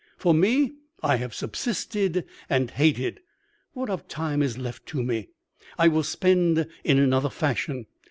For me, I have subsisted and hated. What of time is left to me I will spend in another fashion.